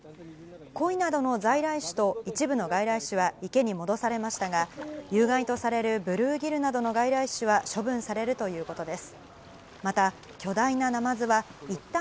コイなどの在来種と一部の外来種は池に戻されましたが、有害とされるブルーギルなどの外来種は処分されるということです。